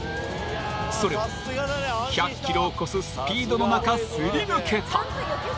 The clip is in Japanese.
それが、１００ｋｍを超すスピードの中、すり抜けた。